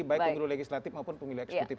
baik pemilu legislatif maupun pemilu eksekutif